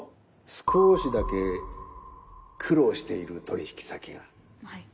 少しだけ苦労している取引先がはい。